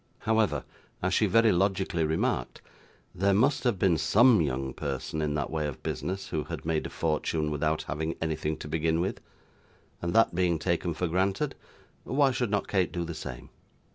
However, as she very logically remarked, there must have been SOME young person in that way of business who had made a fortune without having anything to begin with, and that being taken for granted, why should not Kate do the same?